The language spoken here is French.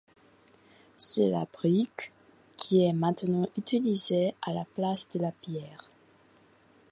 C'est la brique qui est maintenant utilisée à la place de la pierre.